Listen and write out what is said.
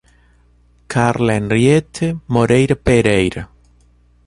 Carla Henriete Moreira Pereira